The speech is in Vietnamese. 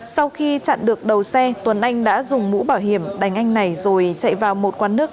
sau khi chặn được đầu xe tuấn anh đã dùng mũ bảo hiểm đánh anh này rồi chạy vào một quán nước